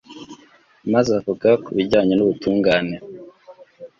maze avuga ku bijyanye n’ubutungane